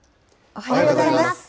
おはようございます。